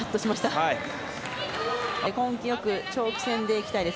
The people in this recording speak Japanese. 根気よく長期戦でいきたいです。